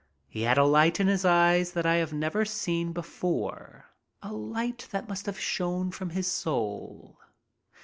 He had a light in his eyes that I have never seen before, a light that must have shone from his soul.